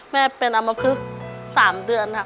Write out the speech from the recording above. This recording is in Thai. แม่เป็นอมพฤษ๓เดือนค่ะ